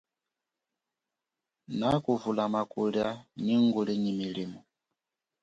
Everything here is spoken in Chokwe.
Nakuvulama kulia nyi nguli nyi milimo.